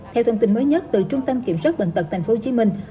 theo thông tin mới nhất từ trung tâm kiểm soát vận tật thành phố hồ chí minh